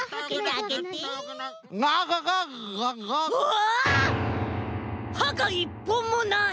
あっ！はが１ぽんもない！